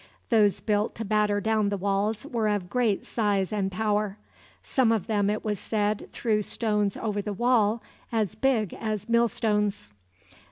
Those built to batter down the walls were of great size and power. Some of them, it was said, threw stones over the wall as big as millstones.